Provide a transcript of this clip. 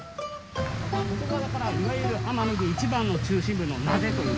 ここがだからいわゆる奄美で一番の中心部の名瀬という。